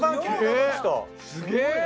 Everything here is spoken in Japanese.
すげえ！